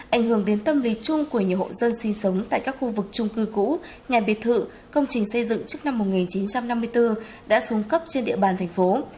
ảnh hưởng đến tâm lý chung của nhiều hộ dân sinh sống tại các khu vực trung cư cũ nhà biệt thự công trình xây dựng trước năm một nghìn chín trăm năm mươi bốn đã xuống cấp trên địa bàn thành phố